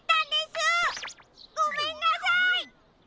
ごめんなさい！